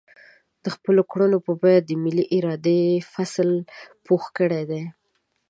د خپلو کړاوونو په بيه د ملي ارادې فصل پوخ کړی دی.